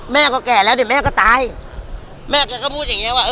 แม่เขาแก่แล้วเด็ดแม่ก็ตายแม่แกก็พูดอย่างเงี้ยว่าเออ